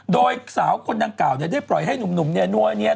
โดยสาวคนนางเก่าได้ปล่อยให้หนุ่มแนวะเนี่ย